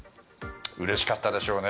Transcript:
うれしかったでしょうね。